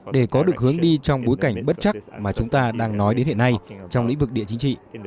để có được hướng đi trong bối cảnh bất chắc mà chúng ta đang nói đến hiện nay trong lĩnh vực địa chính trị